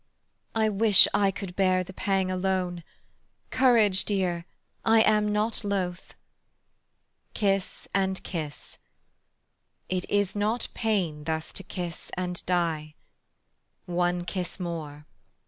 "I wish I could bear the pang alone: Courage, dear, I am not loth." Kiss and kiss: "It is not pain Thus to kiss and die. One kiss more."